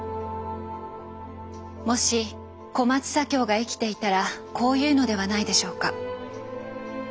もし小松左京が生きていたらこう言うのではないでしょうか。